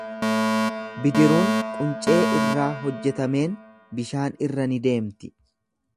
Bidiruun quncee irraa hojjetameen bishaan irra ni deemti.